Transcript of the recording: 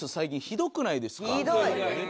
ひどい！